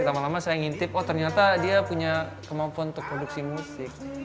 lama lama saya ngintip oh ternyata dia punya kemampuan untuk produksi musik